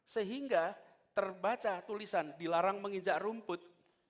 sehingga terbaca tulisan dilarang menginjak rumput